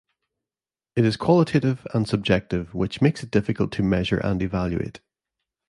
It is qualitative and subjective which makes it difficult to measure and evaluate.